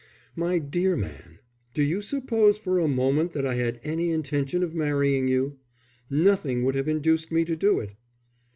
"My dear man, do you suppose for a moment that I had any intention of marrying you? Nothing would have induced me to do it."